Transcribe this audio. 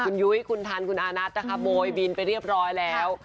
คุณยุ้ยคุณทันคุณอานัทนะคะโมยบินไปเรียบร้อยแล้ว